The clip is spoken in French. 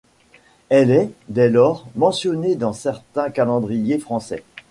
Elle est, dès lors, mentionnée dans certains calendriers français.